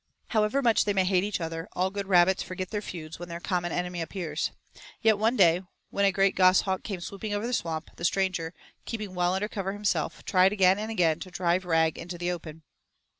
However much they may hate each other, all good rabbits forget their feuds when their common enemy appears. Yet one day when a great goshawk came swooping over the Swamp, the stranger, keeping well under cover himself, tried again and again to drive Rag into the open.